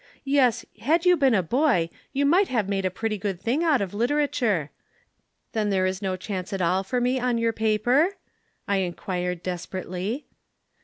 Yes, had you been a boy you might have made a pretty good thing out of literature! Then there is no chance at all for me on your paper?' I inquired desperately.